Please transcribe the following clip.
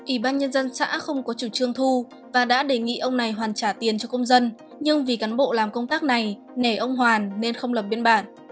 ủy ban nhân dân xã không có chủ trương thu và đã đề nghị ông này hoàn trả tiền cho công dân nhưng vì cán bộ làm công tác này nể ông hoàn nên không lập biên bản